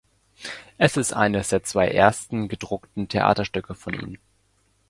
Es ist eines der zwei ersten gedruckten Theaterstücke von ihm.